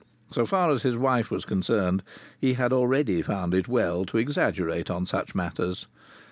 So far as his wife was concerned he had already found it well to exaggerate on such matters.